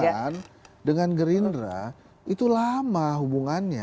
nah pdi perjuangan dengan gerindra itu lama hubungannya